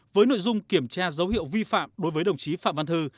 với nội dung kiểm tra dấu hiệu vi phạm đối với đồng chí phạm văn thư